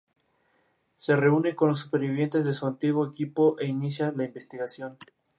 Solamente obtiene algo de paz cuando patrulla las autopistas sobre su motocicleta.